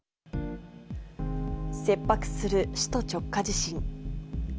切迫する首都直下地震。